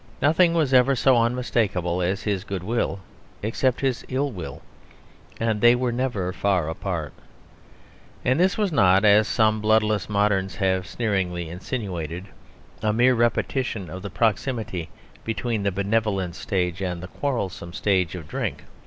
Nothing was ever so unmistakable as his good will, except his ill will; and they were never far apart. And this was not, as some bloodless moderns have sneeringly insinuated, a mere repetition of the proximity between the benevolent stage and the quarrelsome stage of drink.